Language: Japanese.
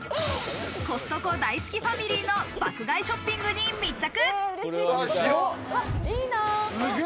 コストコ大好きファミリーの爆買いショッピングに密着。